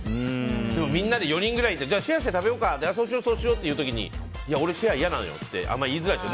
みんなで４人くらいでシェアして食べようかそうしようっていう時にいや、俺シェア嫌なんだよって言いづらいでしょ。